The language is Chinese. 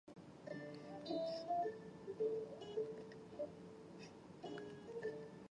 此外亦指为结清债务或弥补伤害所支付的和解款项。